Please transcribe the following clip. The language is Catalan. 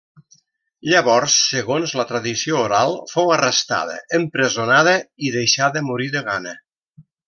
Llavors segons la tradició oral, fou arrestada, empresonada i deixada morir de gana.